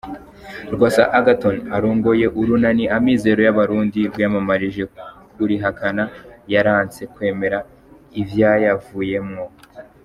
Rwasa Agathon arongoye urunani Amizero y'Abarundi rwiyamamarije kurihakana, yaranse kwemera ivyayavuyemwo.